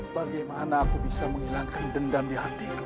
bagaimana aku bisa menghilangkan dendam di hatiku